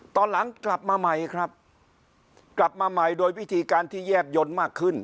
ตอนหลังกลับมาใหม่ครับกลับมาใหม่โดยวิธีการที่แยบยนต์มากขึ้น